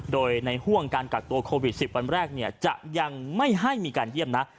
โดยในห่วงการกักตัวโควิด๑๐วันแรกจะยังไม่ให้มีการเยี่ยมนะ